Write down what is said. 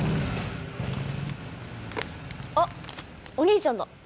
・あっお兄ちゃんだ。